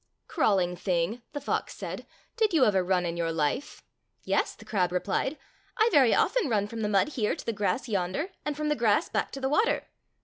"Crawling thing," the fox said, "did you ever run in your life?" "Yes," the crab replied, "I very often run from the mud here to the grass yonder, and from the grass baek to the water."